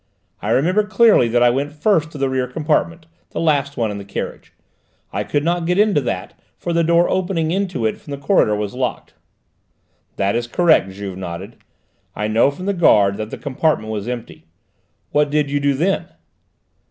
I remember clearly that I went first to the rear compartment, the last one in the carriage. I could not get into that, for the door opening into it from the corridor was locked." "That is correct," Juve nodded. "I know from the guard that that compartment was empty. What did you do then?"